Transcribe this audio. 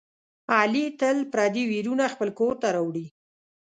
علي تل پردي ویرونه خپل کورته راوړي.